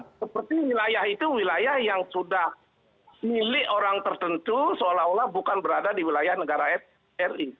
seperti wilayah itu wilayah yang sudah milik orang tertentu seolah olah bukan berada di wilayah negara ri